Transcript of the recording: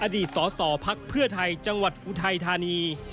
อดีตสสพักเพื่อไทยจังหวัดอุทัยธานี